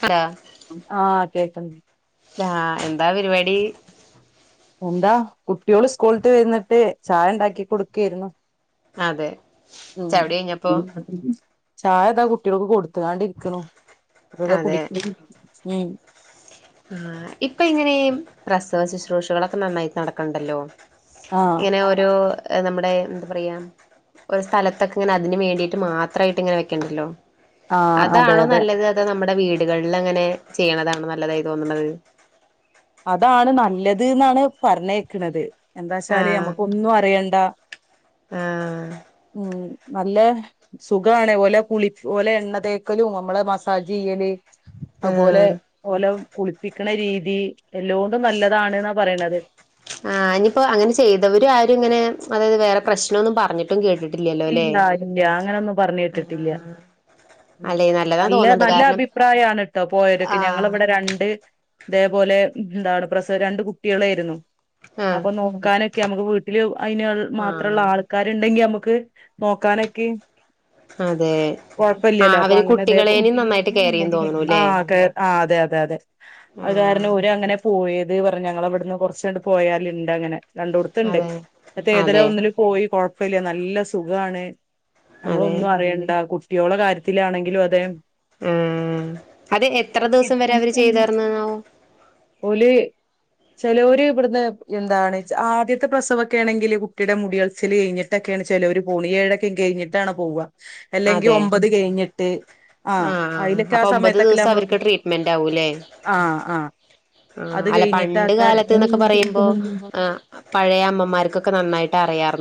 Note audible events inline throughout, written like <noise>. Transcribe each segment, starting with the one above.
Hello ഉം ആഹ് കേക്ക്ണ്ട് ലാ എന്താ പരിപാടി എന്താ കുട്ട്യോള് സ്കൂൾട്ട് വന്നിട്ട് ചായണ്ടാക്കി കൊടുക്കേര്ന്നു അതെ ഉം ചവടി കഴിഞ്ഞപ്പോ പിന്നെന്തൊക്കെ ഉം ചായ ഇതാ കുട്ടികൾക്ക് കൊടുത്തു ആണ്ടിരിക്കണു അതെ <unintelligible> ആ ഇപ്പൊ ഇങ്ങനെ ഈ പ്രസവ ശുശ്രൂഷകളൊക്കെ നന്നായിട്ട് നടക്കണുണ്ടല്ലോ ആഹ് ഇങ്ങനെ ഒരോ നമ്മടെ എന്താ പറയാ ഒരു സ്ഥലത്തൊക്കെ ഇങ്ങനെ അതിന് വേണ്ടിയിട്ട് മാത്രമായിട്ട് ഇങ്ങനെ വെക്കണുണ്ടല്ലോ ആഹ് അതെ അതാണോ അതെ നല്ലത് അതോ നമ്മുടെ വീ ടുകളിൽ അങ്ങനെ ചെയ്യണതാണോ നല്ലതായി തോന്നണത് അതാണ് നല്ലത് എന്നാണ് പറഞ്ഞ് കേക്കണത് എന്താച്ചാല് ആഹ് നമ്മുക്ക് ഒന്നും അറിയ ണ്ടാ ആഹ് ഉം നല്ല സുഖാണ് ഓലെ കുളി ഓലെ എണ്ണ തേക്കലും നമ്മളെ മസാജ് ചെയ്യല് അതുപോലെ ആഹ് ഓലെ കുളിപ്പിക്കണ രീതി എല്ലോണ്ടും നല്ലതാണന്നാ പറയണത് ആ ഇനിപ്പോ അങ്ങനെ ചെയ്തവരാരും ഇങ്ങനെ അതായത് വേറെ പ്രശ്നമൊന്നും പറഞ്ഞിട്ടും കേട്ടിട്ടില്ല ഇല്ല ഇല്ല അങ്ങനൊന്നും പറഞ്ഞ് കേട്ടിട്ടില്ല ഉം അല്ലെ നല്ലതാ നല്ല തോന്നുന്നുണ്ട് നല്ല കാരണം അഭിപ്രായമാണ് കേട്ടോ പോയവരൊക്കെ ആഹ് ഞങ്ങളിവിടെ രണ്ട് ഇതേപോലെ എന്താ അവിടെ പ്രസവം രണ്ട് കുട്ടികളായിരുന്നു ആഹ് അപ്പൊ നോക്കാനൊക്കെ നമുക്ക് വീട്ടില് അതിന് മാത്രമുള്ള ആഹ് ആൾക്കാരുണ്ടെങ്കി നമുക്ക് നോക്കാനൊക്കെ അതേ കുഴപ്പവില്ലല്ലോ അപ്പൊ അങ്ങനെ അതേ കെയർ ചെയ്യും ആ തോന്നണൂല്ലേ അതേ ആ അതെ അതെ അതെ അതെ അത് ആഹ് കാരണം ഓര് അങ്ങനെ പോയതേ പറഞ്ഞു ഞങ്ങളവിടുന്ന് കുറച്ചങ്ങട്ട് പോയാല് ഉണ്ട് അങ്ങനെ രണ്ടിടത്തുണ്ട് അതെ എന്നിട്ട് ഏതിലോ അതെ ഒന്നില് പോയി കൊഴപ്പമില്ല നല്ല സുഖമാണ് അതെ നമ്മളൊന്നും അറിയണ്ട കുട്ടിയോളുടെ കാര്യത്തിലാണെങ്കിലും അതെ ഉം അത് എത്ര ദിവസം വരെ അവര് ചെയ്ത് തരണാവോ ചിലവര് ഇവിടുന്ന് എന്താണ് ആദ്യത്തെ പ്രസവമൊക്കെ ആണെങ്കിൽ കുട്ടിയുടെ മുടികളച്ചിൽ കഴിഞ്ഞിട്ടൊക്കെയാണ് ചെലോര് പോണ് ഏഴൊക്കെ കഴിഞ്ഞിട്ടാണ് പോവാ അല്ലെങ്കിൽ അതെ ഒമ്പത് കഴിഞ്ഞിട്ട് ആഹ് അയിലൊക്കെ ആ അപ്പൊ ഒമ്പത് സമയത്തൊക്കെല്ലെ ദിവസം നമ്മള് കു അവർക്ക് ട്രീറ്റ്മെന്റ് ആവൂല്ലേ ആഹ് ആഹ് ആഹ് അത് അല്ല കഴിഞ്ഞിട്ട് പണ്ട് ആൾക്കാര് കാലത്ത്ന്നൊക്കെ പറയുമ്പോ ആഹ് പഴയ അമ്മമാർക്കൊക്കെ നന്നായിട്ട് അറിയാർ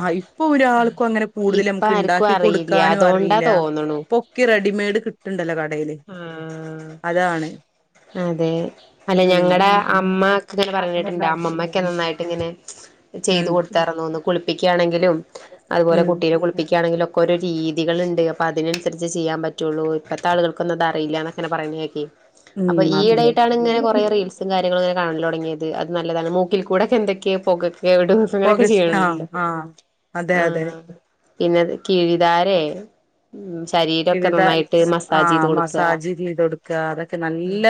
ആഹ് ഇപ്പൊ ഒരാൾക്കും അങ്ങനെ കൂടുതല് ഇപ്പ നമ്മക്ക് ആർക്കും ഇണ്ടാക്കി അറിയില്ല കൊടുക്കാനും അതോണ്ടാ അറിയില്ല തോന്നണു ഇപ്പോ ഒക്കെ റെഡിമെയ്ഡ് കിട്ട്ണ്ടല്ലോ കടയി ആഹ് അതെ അല്ലെ ഞങ്ങടെ ഉം അമ്മക്കെ ഇങ്ങനെ പറേന്ന കേട്ടിട്ട്ണ്ട് അമ്മമ്മക്കെ നന്നായിട്ട് ഇങ്ങനെ ചെയ്തു ഉം കൊടുത്താർന്നൂന്ന് കുളിപ്പിക്കയാണെങ്കിലും അതുപോലെ ഉം കുട്ടീനെ കുളിപ്പിക്കുകയാണെങ്കിലും ഒക്ക് രീതികളുണ്ട് അപ്പൊ അതിനനുസരിച്ചെ ചെയ്യാൻ പറ്റുള്ളൂ ഇപ്പഴ്ത്തെ ആളുകൾക്കൊന്നും അത് അറിയില്ലാന്ന് ഒക്കെ ഇങ്ങനെ പറയുന്ന കേക്കേ അപ്പൊ ഉം ഈയിടെയായിട്ടാണ് ഇങ്ങനെ കൊറെ അതെ റീൽസും കാര്യങ്ങളും ഇങ്ങനെ കാണല് തൊടങ്ങി തുടങ്ങിയത് അത് നല്ലതാണ് മൂക്കിൽ കൂടെക്കെ എന്തൊക്കെയോ പൊകക്ക് <unintelligible> അങ്ങനെയൊക്കെ ഓഗസ്റ്റ് ആഹ് ചെയ്യണല്ലോ ആഹ് അതെ അതെ ആഹ് പിന്നെ കീഴിധാരയെ ഉം ശരീരമൊക്കെ നന്നായിട്ട് ആ മസാജ് ചെയ്ത് കൊടുക്കുക മസാജ് ചെയ്തൊട്ക്കാ അതൊക്കെ നല്ല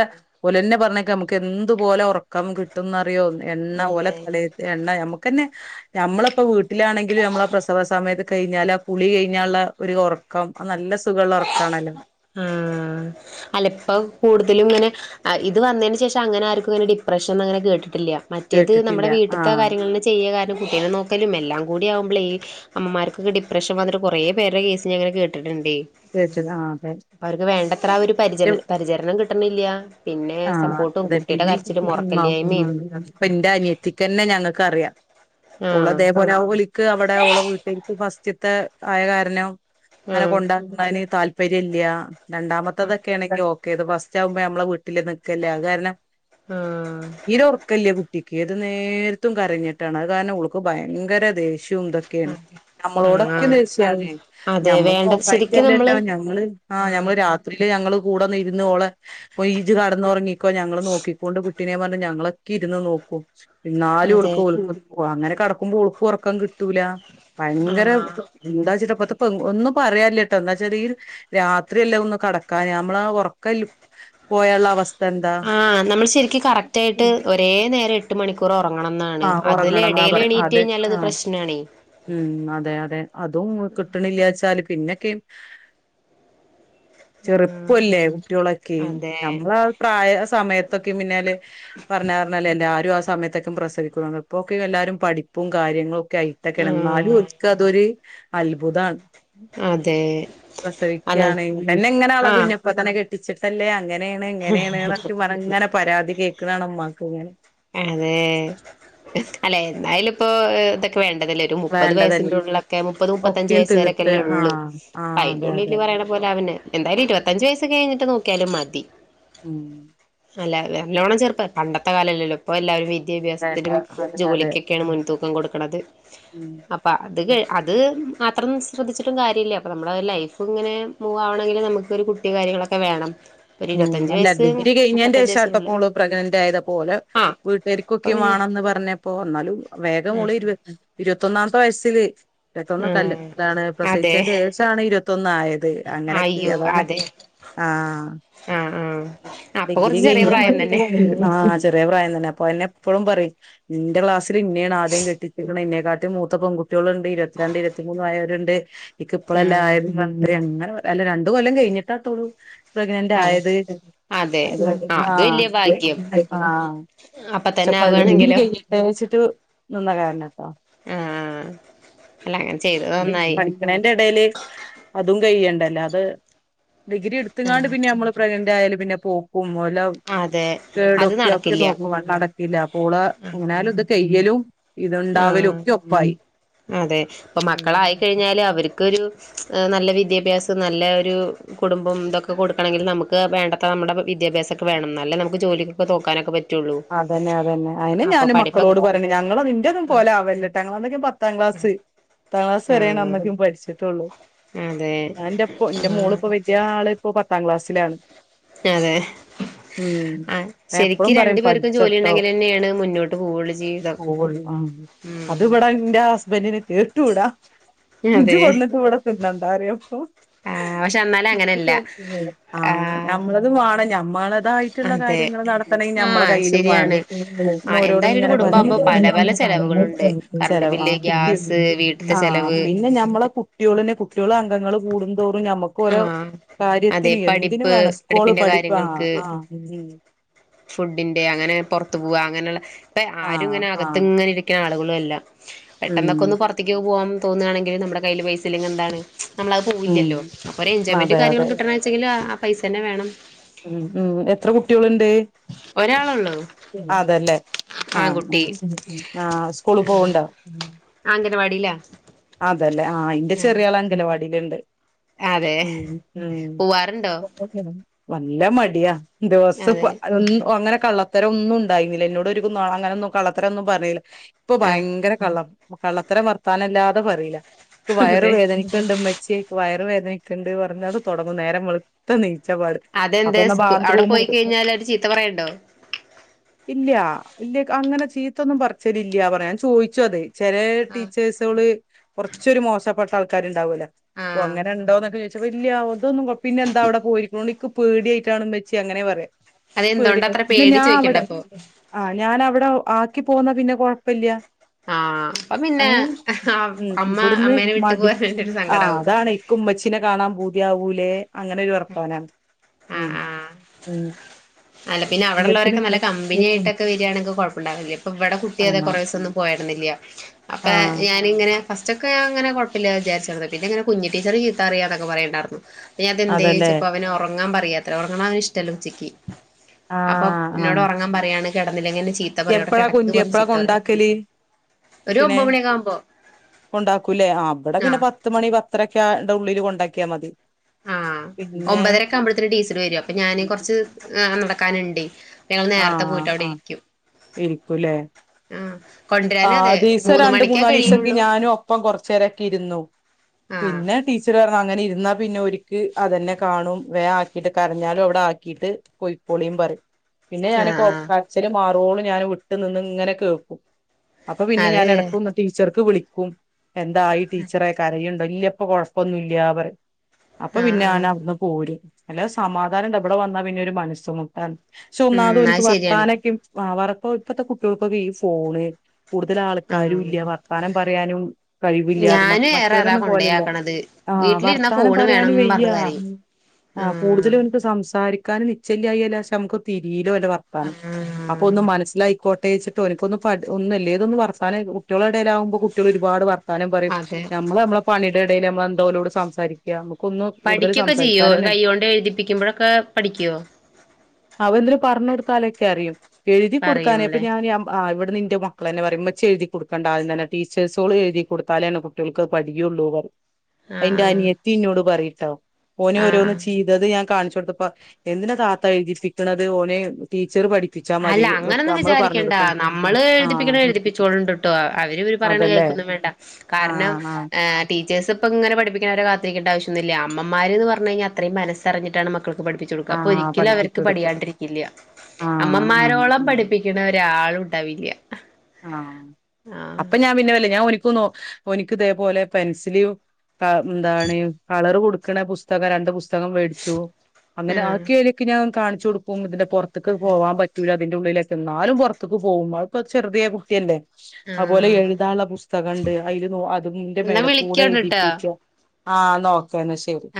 ഓലെന്നെ പറഞ്ഞക്കാ നമ്മക്ക് എന്തുപോലെ ഒറക്ക് ക്കം കിട്ടുന്നറിയോ എണ്ണ ഓലെ അങ്ങനെ തലേത്തെ എണ്ണ ഞമ്മക്കെന്നെ ഞമ്മളിപ്പോ വീട്ടിലാണെങ്കിലും ഞമ്മളാ പ്രസവ സമയക്കെ കഴിഞ്ഞാല് ആ കുളി കഴിഞ്ഞാള്ള ഒരു ഒറക്കം അത് നല്ല സ് സുഖള്ള ഒറക്കാണല്ലോ ആഹ് അല്ല ഇപ്പോ അത് കൂടുതലും ഇങ്ങനെ അ ഇത് വന്നേന് ശേഷം അങ്ങനെ ആർക്കും ഇങ്ങനെ ഡിപ്രഷൻ ഒന്നും അങ്ങനെ കേട്ടിട്ടി ല്ല മറ്റേത് കേട്ടിട്ടില്ല നമ്മുടെ വീട്ടത്തെ ആഹ് കാര്യങ്ങള ചെയ്യാ പിന്നെ കുട്ടിനെ നോക്കലും എല്ലാം കൂടി ആവുമ്പോളേ ഈ അമ്മമാർക്കെക്കെ ഡിപ്രഷൻ വന്നിട്ട് കുറെ പേരുടെ കേസിന് ഞാൻ ഇങ്ങനെ കേട്ടിട്ടുണ്ട് <unintelligible> അവർക്ക് വേണ്ടത്ര ആ ഒരു പരിചര പരിചരണം കിട്ടണില്ല പിന്നെ ആ സപ്പോർട്ടും അതെ കുട്ടിയുടെ പിന്നെ കരച്ചിലും ഉറക്കല്ലായ്മയും എന്റെ അനിയത്തിക്കന്നെ ഞങ്ങൾക്ക് അറിയാം ഓളെ ആഹ് ദേവരാവുബലിക്ക് അവിടെ ഓള വീട്ടേക്ക് ഫസ്റ്റ്ത്തെ ആയ കാരണം അങ്ങനെ ആഹ് കൊണ്ടുന്നതിന് താല്പര്യം ഇല്ല ആഹ് രണ്ടാമത്തതൊക്കെ ആണെങ്കിൽ ഓ ക്കെ ഇത് ഫസ്റ്റ് ആകുമ്പോ നമ്മള് വീട്ടില് നിക്കല്ലേ അത് കാരണം ആ തീരെ ഉറക്കല്ല കുട്ടിക്ക് ഏത് നേരത്തും കരഞ്ഞിട്ടാണ് അത് കാരണം ഓൾക്ക് ഭയങ്കര ദേഷ്യവും ഇതൊക്കെയാണ് ഞമ്മളോടൊക്കെ ആഹ് ദേഷ്യയാണ് അതെ ഞമ്മള് വേണ്ട ശരിക്കും നമ്മള് നോക്കായിട്ടല്ലല്ലോ ഞങ്ങള് ആ ആഹ് ഞമ്മള് രാത്രിയില് ഞങ്ങള് കൂടെഒന്ന് ഇരുന്ന് ഓളെ പോയി ഇജ് കടന്നുറങ്ങിക്കോ ഞങ്ങള് നോക്കിക്കൊണ്ടു കുട്ടിനെ പറഞ്ഞു ഞങ്ങളൊക്കെ ഇരുന്ന് നോക്കും എന്നാലും അതെ ഓള്ക്ക് ഓള്ക്ക് അങ്ങനെ കടക്കുമ്പോ ഓള്ക്കും ഉറക്കം കിട്ടൂല്ല ഭയങ്കര ആഹ് എന്താ വെച്ചിട്ടാ പ്പ ഒന്നും പറയാനില്ല കേട്ടോ എന്ന് വെച്ചാല് ഈ രാത്രിയല്ലേ ഒന്ന് കടക്കാന് നമ്മളാ ഉറക്കമില്ലു പോയാലുള്ള അവസ്ഥ ആ നമ്മൾ ശരിക്കും കറക്റ്റ് ആയിട്ട് ഒരേ നേരം എട്ട് മണിക്കൂറോ ഉറങ്ങണമെന്നാണ് ആഹ് അതില് ഉറങ്ങണം എന്നാ എടേല് പറ എണീറ്റ് അതെ കഴിഞ്ഞാൽഅത് ആഹ് പ്രശ്നാ ണേ ഉം അതെ അതെ അതും കിട്ടണില്ലാ ച്ചാല് പിന്നെക്കെയും ആഹ് ചെറുപ്പല്ലേ കുട്ടികളെക്കെ അതെ നമ്മള് ആ പ്രായ സമയത്തൊക്കെ പിന്നാ ല് പറഞ്ഞാ ഞ്ഞാല് എല്ലാരു അവസ് സമയത്തെക്കെ പ്രസവിക്കും ഇപ്പൊക്കെ എല്ലാവരും പഠിപ്പും കാര്യങ്ങളും ഒക്കെ ആയിട്ടെക്കെ ആണ് എന്നാലും ആഹ് ഓര്ക്ക് അതൊരു അത്ഭുതം ആണ് അതെ അല്ല പ്രസവിക്കയാണെങ്കില് എന്നെ ഇങ്ങനെ ആള ആഹ് കുഞ്ഞായപ്പ തന്നെ കെട്ടിച്ചിട്ടല്ലേ അങ്ങനെയാണ് ഇങ്ങനെയാണ് നിർത്തി പറഞ്ഞ് ഇങ്ങനെ പരാതി കേൾക്കന്നതാണ് ഉമ്മാക്ക് പണി അതെ അല്ലേ എന്നായാലും ഇപ്പോ ഇതൊക്കെ വേണ്ട തല്ലേ ഒരു മുപ്പത് വേണ്ടതന്നെ വയസിന്റെ ഉള്ളിലൊക്കെ മുപ്പത് മുപ്പത്ത്അഞ്ച് ഒക്കെയും വയസ് തീർത്ത് വരൊക്കെല്ല ഉള്ളൂ ആഹ് ആഹ് അയിന്റെ അതെ അതെ ഉള്ളില് പറയണ പോലെ ആവന് എന്തായാലും ഇരുപത്തഞ്ച് വയസ്സ് കഴിഞ്ഞിട്ട് നോക്കിയാലും മതി ഉം അല്ല നല്ലോണം ചേർപ്പ പണ്ടത്തെ കാലമല്ലല്ലോ ഇപ്പോ എല്ലാവരും വി ദ്യാഭ്യാസത്തിനും അതെ അതെ ജോലിക്കൊക്കെയാണ് മുൻതൂക്കം കൊടുക്കണത് ഉം അപ്പോ അത് ക അത് മാത്രന്നും ശ്രദ്ധിച്ചിട്ടും കാര്യമില്ല അപ്പ നമ്മുടെ ലൈഫ് ഇങ്ങനെ മൂവ് ആവണെങ്കിൽ നമുക്ക് ഒരു കുട്ടി കാര്യങ്ങളൊക്കെ വേണം ഒരു ഉം ഇരുപത്തഞ്ച് അല്ല വയസ്സ് ഡിഗ്രി കഴിഞ്ഞെന്റെ മുപ്പത്തഞ്ച് ശേഷാട്ടൊ പ്പോ വയസ്സിനുള്ളിൽ ഓള് പ്രഗ്നന്റ് ആയത് അ പോലെ ആ അപ്പൊ വീട്ടുകാർക്കൊക്കെ പിന്നെ വേണമെന്ന് പറഞ്ഞപ്പോ എന്നാലും വേഗം ഓള് ഇരുപ ഇരുപ ത്തൊന്നാമത്തെ വയസ്സിൽ ഇരുപത്തൊന്നു കല്ല് അതാണ് ആ അതെ പ്രസവിച്ചതിന്റെശേഷം ആണ് ഇരുപത്തൊന്ന് ആയത് അത് അങ്ങനെയക്കെ അയ്യോ അതാണ് അതെ ആ ആ ആ അപ്പൊ ഡിഗ്രി കൊറച്ച് ചെറിയ കഴിഞ്ഞ് പ്രായം തന്നെ ആ ചെറിയ പ്രായം തന്നെ അപ്പോ എന്നെ എപ്പളും പറയും നിന്റെ ക്ലാസ്സില് നി ന്നെയാണ് ആദ്യം കെട്ടിച്ചിരിക്കണേ നിന്നെ കാട്ടി മൂത്ത പെൺകുട്ടികള് ഉണ്ട് ഇരുപത്തിരണ്ട് ഇരുപത്തിമൂന്ന് ആയവരുണ്ട് നിക്ക് ഇപ്പളല്ലേ ആ ആയതന്ന് പറഞ്ഞ് അങ്ങ് അല്ല രണ്ടു കൊല്ലം കഴിഞ്ഞിട്ടാത്തോളൂ പ്രഗ്ന ന്റ് അതെ ആയത് അതെ ആ ആ അത് വലിയ ഭാഗ്യം അപ്പ തന്നെ ഡിഗ്രി ആവുകയാണെങ്കിലോ കഴിഞ്ഞിട്ട് വെച്ചിട്ട് നിന്ന കാരണം ആ അല്ല അങ്ങനെ ചെയ്തത് നന്നായി പഠിക്കണേന്റെ എടെല് അതും കഴ്യേണ്ടല്ല അത് ഡിഗ്രി എടുത്ത്ങ്ങാണ്ട് പിന്നെ ആ നമ്മള് പ്രഗ്നന്റ് ആയാലും പിന്നെ പോക്കും എല്ലാം അതെ അത് കേടൊക്കെ ഒക്കെ നടക്കില്ല നോക്കും വണ്ണം അടക്കില്ല അപ്പോള് എങ്ങനാലും ഇത് കയ്യലും ഇതുണ്ടാവലും ആ ഒക്കെ ഒപ്പായി അതെ ഇപ്പോ മക്കളായിക്കഴിഞ്ഞാല് അവർക്കൊരു നല്ല വിദ്യാഭ്യാസം നല്ല ഒരു കുടുംബം ഇതൊക്കെ കൊടുക്കണമെങ്കിൽ നമുക്ക് വേണ്ടത്ര നമ്മുടെ വിദ്യാഭ്യാസമൊക്കെ വേണം അ ന്നാല്ലല്ലേ നമുക്ക് ജോലിക്കൊക്കെ നോക്കാൻ ഒക്കെ പറ്റു അതന്നെ അതന്നെ അതിന് ഞാനും പഠിപ്പൊക്കെ മക്കളോട് പറയുന്നേ ഞങ്ങള് നിന്റെ ഒന്നും പോലെ ആവല്ലട്ടോന്നൊക്കെ പറ പത്താം ക്ലാസ് പത്താം ക്ലാസ് വരെ ആഹ് അന്നക്കെയും പഠിച്ചിട്ടുള്ളൂ അതെ ഞാൻ എന്റെ എന്റെ ആഹ് മോളിപ്പോ വലി യ ആള് ഇപ്പോ പത്താം ക്ലാസ്സിലാണ് അതെ മ് ആഹ് ഞാൻ ശരിക്ക് എപ്പഴും രണ്ടു പറയും പേർക്കും ജോലി ചട്ടോ ഉണ്ടെങ്കിൽ തന്നെയാണ് മുന്നോട്ട് പോവുള്ളൂ ജീവിതം <unintelligible> അതിവിടെ എന്റെ ഹസ്ബന്റിന് കേട്ടൂടാ ഇജ് അതെ കൊണ്ടു വന്നിട്ട് ഇവിടെ തിന്നണ്ട പറയും ആഹ് പക്ഷെ എന്നാലും അങ്ങനെയല്ല ആ ആഹ് നമ്മളത് വാണം ഞമ്മളതായിട്ടുള്ള അതെ കാര്യങ്ങള് നടത്താൻ <unintelligible> ഞമ്മൾ <unintelligible> ആഹ് ശരിയാണ് ആഹ് എന്തായാലും ഒരു കുടുംബാകുമ്പോ പല പല ചെലവുകളുണ്ട് കറണ്ട് ബില്ല് ഗ്യാസ് വീട്ടത്തെ ആഹ് ചെലവ് പിന്നെ ഞമ്മളെ കുട്ടിയോളെന്നെ കുട്ടിയോളു അംഗങ്ങള് കൂടു തോറും ഞമ്മക്കോരോ ആഹ് അതെ കാര്യത്തിന് എന്തിനും പഠിപ്പ് വേണം സ്കൂള് പഠിപ്പിന്റെ പഠിപ്പ് ആഹ് കാര്യങ്ങൾക്ക് ആഹ് ഉം. ഫുഡിന്റെ അങ്ങനെ പൊറത്തു പോവാ അങ്ങനെയുള്ള ഇപ്പ ആരും ആഹ് ഇങ്ങനെ ആഹ് അകത്ത് ഇങ്ങനെ ഇരിക്കുന്ന ആളുകളും അല്ല. ഉം പെട്ടെന്നൊക്കെ ഒന്ന് പൊറത്തേക്ക് ഒക്കെ പോവാൻ തോന്നാണെങ്കിൽ നമ്മടെ കൈയില് പൈസല്ലെങ്കി എന്താണ് നമ്മളത് ഉം പോവില്ലല്ലോ. അപ്പൊ ഒരു എൻജോയ്മെൻ്റ് അതെ അതെ കാര്യങ്ങളും കിട്ടണെച്ചെങ്കില് ആ പൈസന്നെ വേണം. ഉം ഉം എത്ര കുട്ടികളുണ്ട് ഒരാളൊള്ളൂ അതല്ലേ. ആഹ് ഉം ആൺകുട്ടി ആഹ് സ്കൂള് പോവണ്ടോ? പരിപാടില്ല. അതല്ലേ ആ അന്റെ ചെറിയാള് അംഗലവാടിലുണ്ട്. അതെ ഉം ഉം പോവാറുണ്ടോ <inaudible> നല്ല മടിയാ ദിവസം ഇപ്പൊ അതെ അങ്ങനെ കള്ള ത്തരം ഒന്നും ഉണ്ടായിരുന്നില്ല എന്നോട് ഒരു അങ്ങനെന്നും കളത്തരന്നും പറയില്ല ഇപ്പൊ ആ ഭയങ്കര കള്ളം കള്ളത്തര വർത്താനല്ലാതെ പറിയില്ല ഇപ്പ വയറ് അതെ വേദനിക്കാണുണ്ട് ഉമ്മച്ചി വയ വേദനക്കിണ്ട് പറഞ്ഞ് തുടങ്ങും നേരം വെളുത്ത <unintelligible> അതെന്താ അപ്പൊന്ന സ്കൂ അവിടെ പോയി ബാത്റൂമുണ്ട് കഴിഞ്ഞാൽ അവര് ചീത്ത പറയണ്ടോ ഇല്ല ഇല്ല അങ്ങനെ ചീത്തൊന്നും പറിച്ചല് ഇല്ല പറയാൻ ചോദിച്ചോ അത് ചെല ആ ടീച്ചേഴ്സുകള് കുറച്ചൊരു മോശപ്പെട്ട ആൾക്കാരുണ്ടാവൂല്ലേ? ആ അപ്പ അങ്ങനെ ഉണ്ടോന്നൊക്കെ ചോദിച്ച വലിയ അതൊന്നും പിന്നെന്താ അവിടെ പോയിരിക്കണ എനിക്ക് പേടിയായിട്ടാണ് ഉമ്മച്ചി അങ്ങനെ പറയാ. അതെന്തോണ്ട പേടിണ്ട് അത്ര ദ് പേടി ഞാൻ ചോദിക്കണ്ട അവിടെ അപ്പൊ ആ ഞാനവി <unintelligible> ആക്കി പോന്ന പിന്നെ കൊഴപ്പില്ല. ആ അപ്പ പിന്നെ ഏഹ് ആ ഉം ഇവിടുന്ന് മടിചു ആഹ് അതാണ് എനിക്ക് ഉമ്മച്ചിനെ കാണാൻ പൂതിയാവൂലെ അങ്ങനെരു വർത്താന ആ ഉം ആ ഉം. അല്ല പിന്നെ അവിടെ ഉമ്മച്ചീനെ ഉള്ളവരൊക്കെ നല്ല കമ്പനി കേൾക്കാം ആയിട്ടൊക്കെ വരികയാണങ്കികുഴപ്പണ്ടാവില്ല ഇപ്പ ഇവിടെ കുട്ടി അതെ ആഹ് കൊറെ സംന്നുപോയപ്പോ അപ്പൊ ആഹ് ഞാനിങ്ങനെ ഫസ്റ്റ് ഒക്കെ അങ്ങനെ കുഴപ്പില്ല വിചാരിച്ചിരുന്നു പിന്നെങ്ങനേ കുഞ്ഞി ടീച്ചർ ചീത്താറിയാന്നൊക്കെ പറയണ്ടായിരുന്നു. അതെന്ത അതല്ലേ ചോയ്ചപ്പോ അവന് ഉറങ്ങാൻ പറയാത്രെ ഉറങ്ങണ അവന് ഇഷ്ടല്ല ഉച്ചക്ക്. അപ്പൊ ആഹ് എന്നോട് ആഹ് ഉറങ്ങാൻ പറയാണ് കിടന്നിലെങ്ങെ എപ്പഴാ കുന്തി എപ്പഴാ കൊണ്ടാക്കല്? ഒരു കുട്ടിനെ ഒമ്പത് മണിയൊക്കെ ആകുമ്പോ കൊണ്ടാക്കൂലേ അവിടെ ആ പിന്നെ പത്ത് മണി പത്രക്കെ ടെ ഉള്ളിൽ കൊണ്ടാക്കിയാൽ മതി. ആഹ് പിന്നെ ഒമ്പതരക്കെ ആവുമ്പോഴത്തേന് ടീച്ചറ് വരും അപ്പൊ ഞാന് കൊറച്ച് നടക്കാനുണ്ടേ. ഞങ്ങൾ നേരത്തെ പോയിട്ട് അവിടെ ഇരിക്കും. ഇരിക്കൂലേ. ആഹ് ആ കൊണ്ടുവരാനും അതെ ഒരു ദിസം മൂന്ന് രണ്ട് മണിക്കേ മൂന്നാല് ദിവസൊക്കെ കഴിയുള്ളൂ ഞാനും ഒപ്പം കൊറച്ച നേരൊക്കെ ഇരുന്നു. ആഹ് പിന്നെ ടീച്ചർ അങ്ങനെ ഇരുന്നാ പിന്നെ ഓരിക്ക് അതന്നെ കാണും വേ ആക്കിട്ട് കരഞ്ഞാലും അവിടെ ആക്കിയിട്ട് പൊയ്ക്കോളി <unintelligible> പിന്നെ ഞാന് ആഹ് കോ ആഹ് കച്ചില് മാറോള ഞാൻ വിട്ട് നിന്ന് ഇങ്ങനെ കേക്കും. അപ്പൊ പിന്നെ ഞാൻ അതെ ഇടക്കന്ന് ടീച്ചർക്ക് വിളിക്കും എന്തായി ടീച്ചറെ കരയു ഇല്ല ഇപ്പ കൊഴപ്പൊന്നും ഇല്ല പറയും അപ്പൊ ആഹ് പിന്നെ ഞാൻ ആഹ് അവിടുന്ന് പോരും. അല്ല സമാധാനം ഇണ്ട് എവിടെ വന്നാ പിന്നെ ഒരു മനസ്സ് മുട്ടാണ് പക്ഷെ ഒന്നാതും ഉം എനിക്ക് അത് ശരിയാണ് വർത്താനക്കും <unintelligible> കുട്ടികൾക്കൊക്കെ ഈ ഫോണ് കൂടുതൽ ആൾക്കാരും ആഹ് ഇല്ല വർത്താന <unintelligible> കഴിവില്ല അത് ഞാന് ഏറെ അതാ മറ്റവരൊന്നും പോലല്ലോ കൊണ്ടയാക്കണത് ആ വീട്ടിലിരുന്നാ വർത്താനം ഫോണ് പറയാന് വേണം പറഞ്ഞ് വയ്യാ. കരയും ആ ആഹ് കൂടുതലും എനിക്ക് സംസാരി ക്കാന് നിച്ചല്യായില്ല ക്ഷേ നമുക്ക് തിരീല ഓൻ്റെ വർത്താനം ആഹ് അപ്പൊ ഒന്ന് മനസ്സിലായിക്കോ ട്ടേച്ച്ട്ട് ഓൻക്കൊന്ന് പട് ഒന്ന്വല്ലേതൊന്ന് വർത്താനയ് കുട്ടിയോളെ എടേലാവുമ്പോ കുട്ട്യോള് ഒരുപാട് വർ ത്താനം പറയും അതെ നമ്മള് നമ്മെ പണിയുടെടയിൽ നമ്മൾ എന്തോലോട് സംസാരിക്ക പഠിക്കൊക്കെ ചെയ്യോ കൈ കൊണ്ട് എഴുതിപ്പിക്കുമ്പോഴൊക്കെ പഠിക്കുവോ ത് പറഞ്കൊടുത്താലോക്കെ അറിയും എഴുതി കൊടുക്കാൻ പ്പം പറയൂല്ലേ ഞാൻ ആ ഇവിട നിന്റെ മക്കള തന്നെ പറയും മെ എഴുതി കൊടുണ്ട തന്ന ടീച്ചേഴ്സോ എഴുതി കൊടുത്താലോണ് കുട്ടികൾക്ക് പടയുള്ളൂ പറയും അതിന്റെ ആഹ് അനിയത്തി ഇന്നോട് പറയിട്ടോ ഓന ആഹ് ആഹ് ഓരോന്ന് ചെയ്തത് ഞാൻ കാണിച്ച ത്തപ്പ എന്തിന താത്ത തിപ്പിക്കുന്നത് ഓനെ ടീച്ചറ് പഠിക്ക അല്ല അങ്ങനൊന്നും വിചാരിക്കണ്ട നമ്മള് ആഹ് എഴുതിപ്പിക്കണ എഴുതിപ്പിച്ചുകോളണ്ട്ിട്ടോ അവര് ഇര് പറയണ അതല്ലേ കേക്ക വണ്ട കാരണം ആഹ് ആഹ് എ ടീ ീേഴസ് ഇപ്പ ഇങ്ങനെ പിപ്പിക്കവരെ കാരിക്കേണ്ടവശ്യന്നുമില്ലമ്മമാര്ന്ന് പറഞ്ഞു കിഞ്ഞാൽ അത്ര മനസ്റിഞ്ഞിട്ടാണ് മ മക്ക് പഠിപ്പിച്ചു കൊടുക്കുക അപ്പൊ ആഹ് ഒരിക്കലും പഠിപ്പിച്ചു അവർക്ക് കൊടുക്ക പഠിയാണ്ടിരിക്കില്ല ആഹ് ആഹ് അമ്മമാരോളം പഠിപ്പിക്കണ ഒരാള ഉണ്ടാവില്ല ആ അപ്പൊ ഞാൻ പിന്നെ വല്ല ഓൻ ോ ഓന്ക്ക് ഇതേപോലെ പെൻസില് ത്ത എന്താണ് കളർ കൊടു കണ പുസ്തകം രണ്ട് പുസ്തകം മേടിച്ചു അങ്ങനെ ആഹ് ആക്കെൊക്കെ ഞാൻ കാണിച്ചു കൊടുക്ക്പ ഇതിന്റെ പുറത്തേക്ക് പോവാൻ പറ്റൂല അതിന്റെ ഉള്ളിലൊക്ക എന്നാലും പുറത്തേക്ക് പോകുമ്പോൾ ഇപ്പ ചെറുതിയായ കുട്ടിയല്ലെ അതുപോലെ ആഹ് എഴുതാനുള്ള പുസ്തകംുണ്ട് അയിൽ അതിന്റെ എന്നാ മേടപ്പ കൂടെ വിളിക്കോണ്ടിട്ടോ എഴതിപ്പിച്ചും ആ നോക്ക എന്ന ശരി